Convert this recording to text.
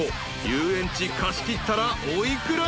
遊園地貸し切ったらお幾ら？］